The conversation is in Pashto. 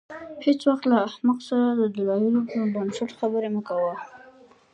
هېڅ وخت له احمق سره د دلایلو پر بنسټ خبرې مه کوه.